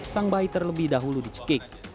sang bayi terlebih dahulu dicekik